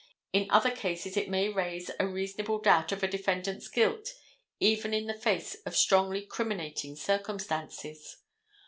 In other cases it may raise a reasonable doubt of a defendant's guilt even in the face of strongly criminating circumstances.